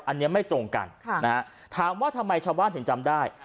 อันเนี้ยไม่จงกันค่ะนะฮะถามว่าทำไมชาวบ้านถึงจำได้